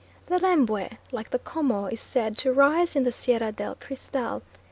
The Rembwe, like the 'Como, is said to rise in the Sierra del Cristal.